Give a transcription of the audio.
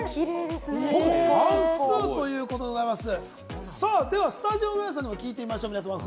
ほぼ半数ということでございます。